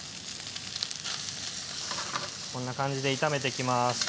こんな感じで炒めていきます。